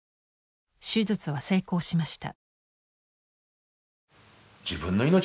手術は成功しました。